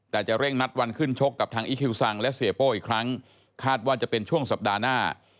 แต่จะเร่งนัดวันขึ้นชกกับทางอีคิวซังและเสียโป้อีกครั้งคาดว่าจะเป็นช่วงสัปดาห์หน้า